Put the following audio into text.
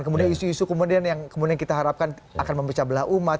kemudian isu isu kemudian yang kemudian kita harapkan akan mempecah belah umat